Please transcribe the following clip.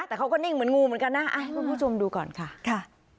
แต่เขาก็นิ่งเหมือนงูเหมือนกันนะให้คุณผู้ชมดูก่อนค่ะ